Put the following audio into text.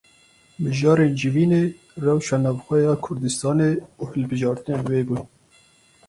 Mijarên civînê rewşa navxwe ya Kurdistanê û hilbijartinên wê bûn.